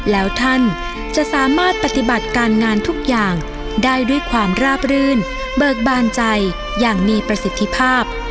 แล้วท่านจะสามารถปฏิบัติการงานทุกอย่างได้ด้วยความราบรื่นเบิกบานใจอย่างมีประสิทธิภาพ